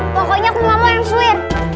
pokoknya aku nggak mau ayam swir